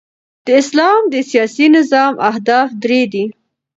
د اسلام د سیاسي نظام اهداف درې دي.